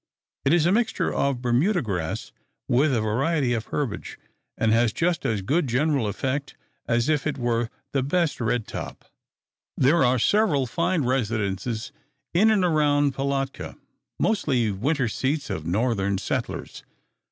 It is a mixture of Bermuda grass with a variety of herbage, and has just as good general effect as if it were the best red top. There are several fine residences in and around Pilatka, mostly winter seats of Northern settlers.